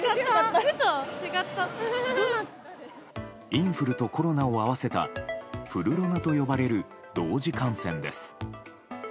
インフルとコロナを合わせたフルロナと呼ばれる同時感染です。